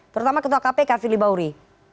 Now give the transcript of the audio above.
terutama ketua kpk fili bauri